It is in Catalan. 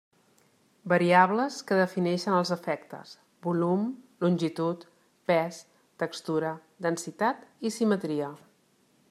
Variables que defineixen els efectes: volum, longitud, pes, textura, densitat i simetria.